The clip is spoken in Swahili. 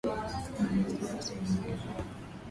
Kuna wasi wasi unaoongezeka